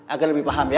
agar lebih paham ya